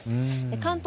関東